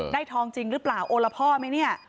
ทองจริงหรือเปล่าโอละพ่อไหมเนี่ย